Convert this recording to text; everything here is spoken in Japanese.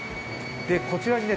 こちらにね